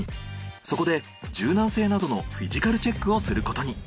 そこで柔軟性などのフィジカルチェックをすることに。